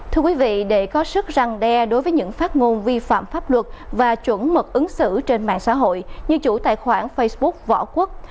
thưa quý vị để có sức răng đe đối với những phát ngôn vi phạm pháp luật và chuẩn mực ứng xử trên mạng xã hội như chủ tài khoản facebook võ quốc